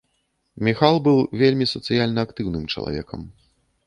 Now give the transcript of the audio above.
Міхал быў вельмі сацыяльна актыўным чалавекам.